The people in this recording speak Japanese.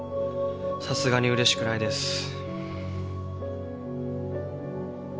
さすがにうれしくないです。